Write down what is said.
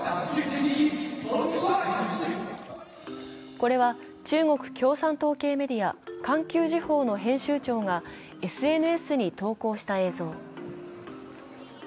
これは中国共産党系メディア「環球時報」の編集長がＳＮＳに投稿した映像。